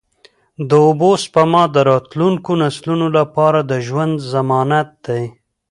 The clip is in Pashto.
د اوبو سپما د راتلونکو نسلونو لپاره د ژوند ضمانت دی.